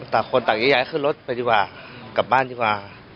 ต่างคนต่างจะย้ายขึ้นรถไปดีกว่ากลับบ้านดีกว่า